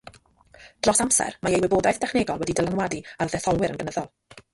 Dros amser, mae ei wybodaeth dechnegol wedi dylanwadu ar ddetholwyr yn gynyddol.